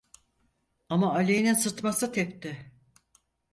Ama Aliye'nin sıtması tepti.